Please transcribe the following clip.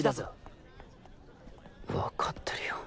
わかってるよ